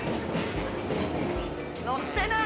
乗ってない。